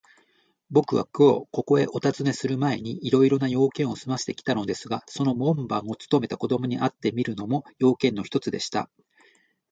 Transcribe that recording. ぼくはきょう、ここへおたずねするまえに、いろいろな用件をすませてきたのですが、その門番をつとめた子どもに会ってみるのも、用件の一つでした。